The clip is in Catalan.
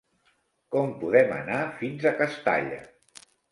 Com podem anar fins a Castalla?